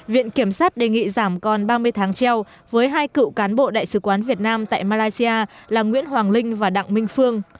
viện kiểm sát đề nghị giảm còn ba mươi tháng treo với hai cựu cán bộ đại sứ quán việt nam tại malaysia là nguyễn hoàng linh và đặng minh phương